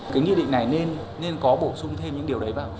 cái nghị định này nên có bổ sung thêm những điều đấy vào